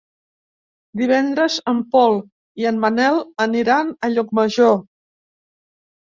Divendres en Pol i en Manel aniran a Llucmajor.